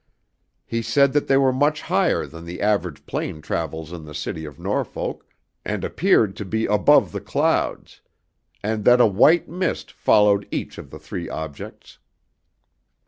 He said that they were much higher than the average plane travels in the City of Norfolk and appeared to be above the clouds, and that a white mist followed each of the three objects.